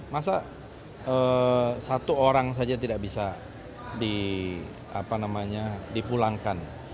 masa satu orang saja tidak bisa dipulangkan